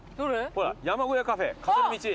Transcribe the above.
ほら山小屋カフェ風の道。